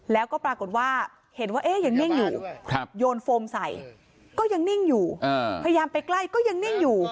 แล้วก็ปรากฏว่าเห็นว่ายังนิ่งอยู่โยนโฟมใส่ก็ยังนิ่งอยู่พยายามไปใกล้ก็ยังนิ่งอยู่